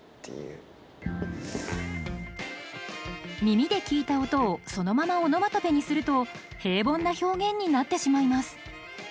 耳で聞いた音をそのままオノマトペにすると平凡な表現になってしまいます